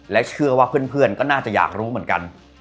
และเชื่อว่าเพื่อนก็น่าจะอยากรู้เหมือนกัน